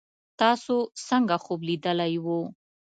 تاسو څنګه خوب لیدلی وو